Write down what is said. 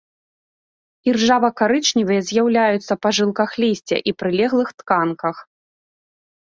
Іржава-карычневыя з'яўляюцца па жылках лісця і прылеглых тканках.